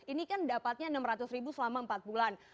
ini kan dapatnya rp enam ratus ribu selama empat bulan